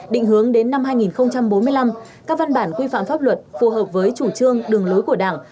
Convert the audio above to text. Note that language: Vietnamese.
định hướng đến năm hai nghìn bốn mươi năm các văn bản quy phạm pháp luật phù hợp với chủ trương đường lối của đảng